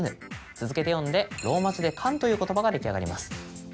続けて読んでローマ字で「かん」という言葉が出来上がります。